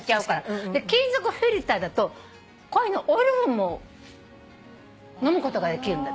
金属フィルターだとコーヒーのオイル分も飲むことができるんだって。